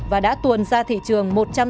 và đã tuồn ra thị trường